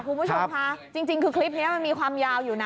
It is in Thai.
คุณผู้ชมคะจริงคือคลิปนี้มันมีความยาวอยู่นะ